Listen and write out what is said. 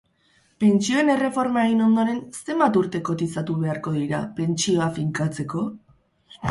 Pentsioen erreforma egin ondoren, zenbat urte kotizatu beharko dira pentsioa finkatzeko?